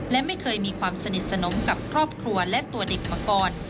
และไม่เคยมีความสนิทสนมกับครอบครัวและตัวเด็กมาก่อน